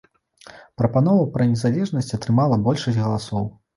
Прапанова пра незалежнасць атрымала большасць галасоў.